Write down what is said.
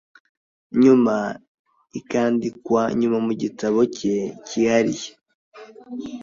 nyuma ikandikwa nyuma Mu gitabo cye cyihariye